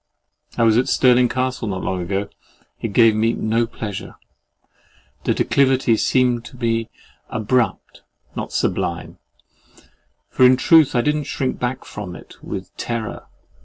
I was at Stirling Castle not long ago. It gave me no pleasure. The declivity seemed to me abrupt, not sublime; for in truth I did not shrink back from it with terror.